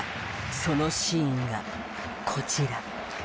そのシーンがこちら。